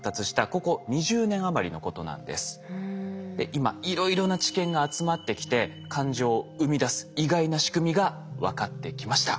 今いろいろな知見が集まってきて感情を生み出す意外な仕組みが分かってきました。